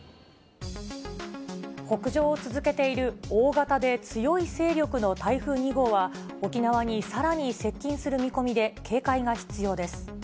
北上を続けている大型で強い勢力の台風２号は、沖縄にさらに接近する見込みで、警戒が必要です。